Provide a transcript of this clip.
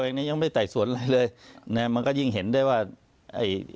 อย่างนี้ยังไม่ไต่สวนอะไรเลยนะมันก็ยิ่งเห็นได้ว่าไอ้